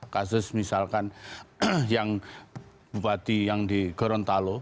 kasus misalkan yang bupati yang di gorontalo